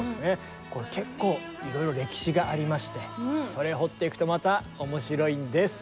これ結構いろいろ歴史がありましてそれ掘っていくとまた面白いんです。